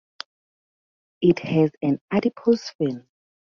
It has an adipose fin.